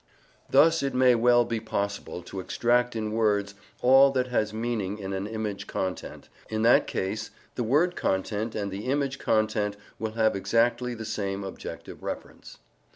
Thus it may well be possible to extract in words all that has meaning in an image content; in that case the word content and the image content will have exactly the same objective reference.